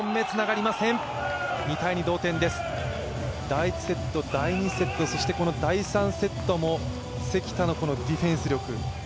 第１セット、第２セットそしてこの第３セットも関田のディフェンス力。